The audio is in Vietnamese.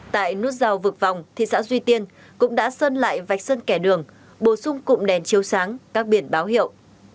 tại nút rào vực vòng thị xã duy tiên cũng đã sơn lại vạch sân kẻ đường bổ sung cụm đèn chiếu sáng các biển báo hiệu